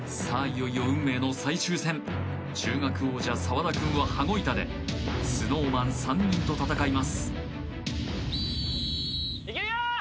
いよいよ運命の最終戦中学王者・澤田くんは羽子板でＳｎｏｗＭａｎ３人と戦います・いけるよ！